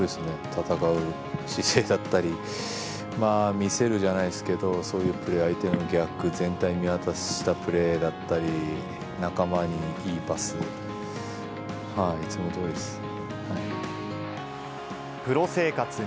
戦う姿勢だったり、まあ、魅せるじゃないですけど、そういうプレー、相手の逆、全体を見渡したプレーだったり、仲間にいいパス、いつもどおりでプロ生活